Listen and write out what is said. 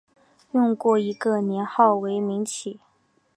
用过一个年号为明启。